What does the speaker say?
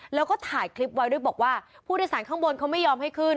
แล้วก็ถ่ายคลิปไว้ด้วยบอกว่าผู้โดยสารข้างบนเขาไม่ยอมให้ขึ้น